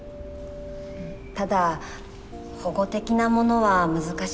ただ保護的なものは難しいかと。